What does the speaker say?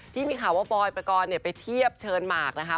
ที่มีข่าวว่าบอยปกรณ์ไปเทียบเชิญหมากนะคะ